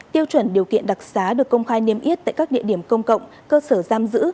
tiêu chuẩn điều kiện đặc xá được công khai niêm yết tại các địa điểm công cộng cơ sở giam giữ